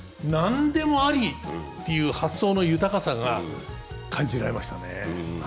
何でもありっていう発想の豊かさが感じられましたね。